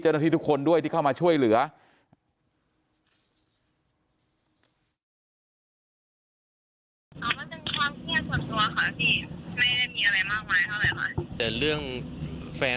ใช่ค่ะไม่ได้ท้องค่ะ